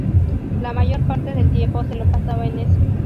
La mayor parte del tiempo se lo pasaba en eso.